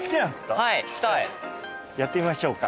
やってみましょうか。